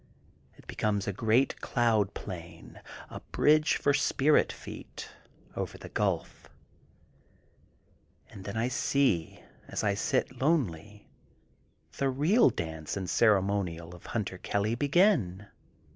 It becomes a great cloud plain, a bridge for spirit feet, over the gulf. And then I see, as I sit lonely, the real dance and ceremonial of Hunter Kelly begin.